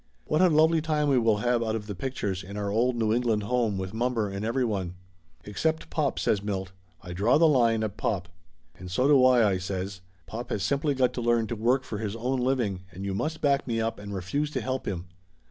What a lovely time we will have out of the pictures, in our old New England home, with mommer and everyone." "Except pop!" says Milt. "I draw the line at pop!" "And so do I !" I says. "Pop has simply got to learn to work for his own living, and you must back me up and refuse to help him